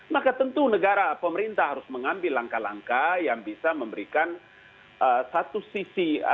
maka tentu negara pemerintah harus mengambil langkah langkah yang bisa memberikan satu sisi